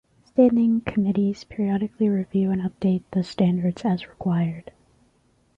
Standing committees periodically review and update the standards as required.